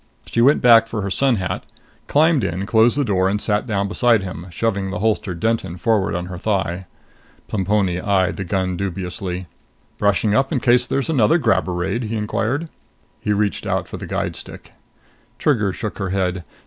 She went back for her sun hat, climbed in, closed the door and sat down beside him, shoving the holstered Denton forward on her thigh. Plemponi eyed the gun dubiously. "Brushing up in case there's another grabber raid?" he inquired. He reached out for the guide stick. Trigger shook her head.